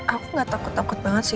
aku gak takut takut banget sih